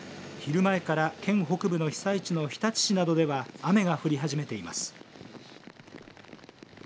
昼前から県北部の被災地の日立市などでは雨が降り始めています。